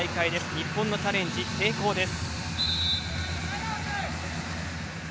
日本のチャレンジ成功です。